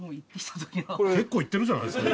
結構行ってるじゃないですか。